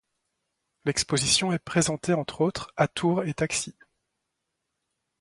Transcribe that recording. L'exposition est présentée entre autres à Tour et taxis.